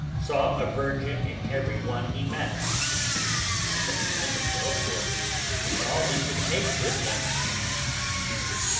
Saw a virgin in every one he met! Not that I blame him though, for it's all he could take with him."